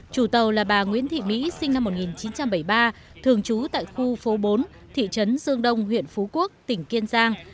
chủ tàu là bà nguyễn thị mỹ sinh năm một nghìn chín trăm bảy mươi ba thường trú tại khu phố bốn thị trấn dương đông huyện phú quốc tỉnh kiên giang